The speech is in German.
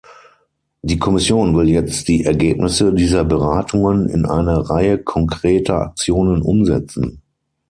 Die Kommission will jetzt die Ergebnisse dieser Beratungen in eine Reihe konkreter Aktionen umsetzen.